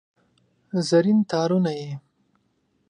زرین تارونه یې